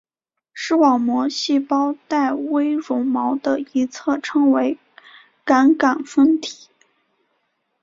视网膜细胞带微绒毛的一侧称为感杆分体。